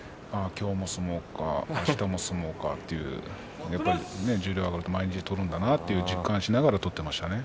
今日も相撲かあしたも相撲かと十両に上がると毎日取るんだなと実感しながら取っていましたね。